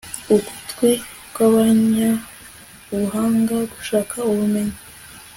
ugutwi kw'abanyabuhanga gushaka ubumenyi